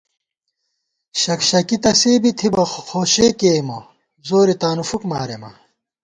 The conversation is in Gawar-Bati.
شک شکی تہ سے بی تھِبہ ، خو شے کېیئېمہ ، زورے تانُو فُک مارېما